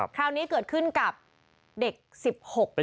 คราวนี้เกิดขึ้นกับเด็ก๑๖ปี